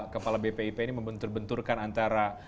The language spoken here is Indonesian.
kepala bpip ini membentur benturkan antara